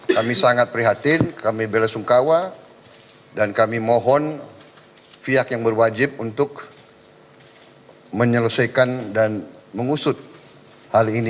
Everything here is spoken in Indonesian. kami sangat prihatin kami bela sungkawa dan kami mohon pihak yang berwajib untuk menyelesaikan dan mengusut hal ini